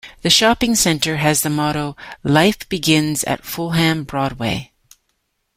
The shopping centre has the motto "Life Begins At Fulham Broadway".